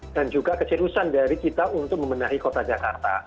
dan juga kecerusan dari kita untuk memenahi kota jakarta